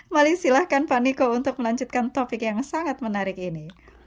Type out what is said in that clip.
mari silahkan pak niko untuk melanjutkan topik yang sangat menarik ini